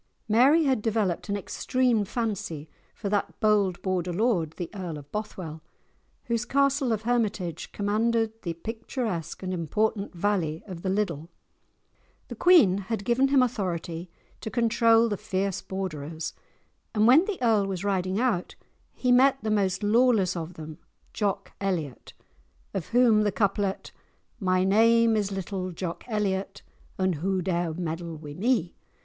Mary had developed an extreme fancy for that bold Border Lord, the Earl of Bothwell, whose Castle of Hermitage commanded the picturesque and important valley of the Liddel. The Queen had given him authority to control the fierce Borderers; and when the earl was riding out he met the most lawless of them, Jock Elliot, of whom the couplet— "My name is little Jock Elliot And who dare meddle wi' me?"